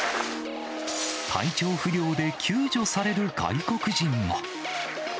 体調不良で救助される外国人も。